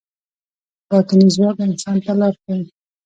باطني ځواک انسان ته لار ښيي.